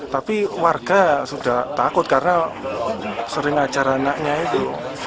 tapi warga sudah takut karena sering ajar anaknya itu